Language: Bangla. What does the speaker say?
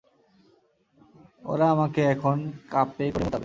ওরা আমাকে এখন কাপে করে মুতাবে।